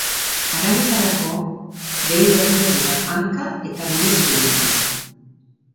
Haragitarako behi gorriak dira, hanka eta buru zurikoak.